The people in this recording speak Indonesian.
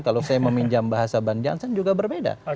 kalau saya meminjam bahasa ban jansen juga berbeda